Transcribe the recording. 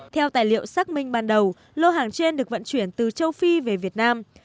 theo tài liệu xác minh ban đầu lô hàng trên được vận chuyển từ châu phi về việt nam